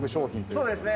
そうですね